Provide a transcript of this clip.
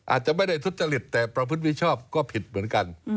อาจจะไม่ได้ทุจริตแต่ประพฤติมิชชอบก็ผิดเหมือนกัน